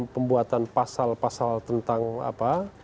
pembuatan pasal pasal tentang apa